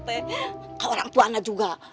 kalau orang tua juga